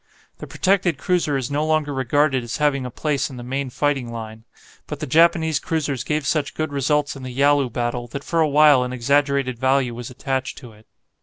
The protected cruiser is no longer regarded as having a place in the main fighting line. But the Japanese cruisers gave such good results in the Yalu battle that for a while an exaggerated value was attached to it.